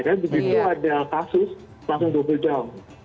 dan begitu ada kasus langsung double down